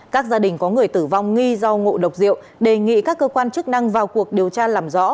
các gia đình có người tử vong nghi do ngộ độc rượu đề nghị các cơ quan chức năng vào cuộc điều tra làm rõ